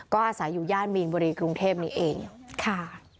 ก็อาศัยอยู่ย่านมีนบุรีกรุงเทพนี้เองค่ะ